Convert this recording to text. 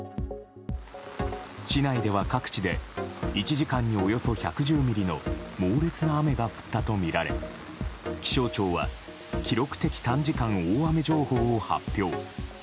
市内では各地で１時間におよそ１１０ミリの猛烈な雨が降ったとみられ気象庁は記録的短時間大雨情報を発表。